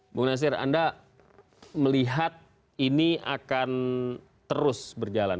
bung nasir anda melihat ini akan terus berjalan